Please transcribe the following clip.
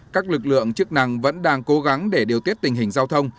các lực lượng chức năng vẫn đang cố gắng để điều tiết tình hình giao thông